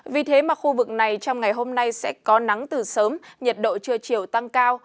vì thế mà khu vực này trong ngày hôm nay sẽ có nắng từ sớm nhiệt độ trưa chiều tăng cao